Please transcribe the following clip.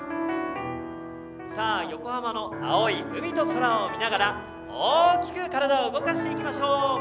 横浜の青い海と空を見ながら大きく体を動かしていきましょう。